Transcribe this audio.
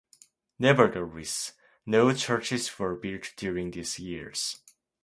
Nevertheless, no churches were built during these years.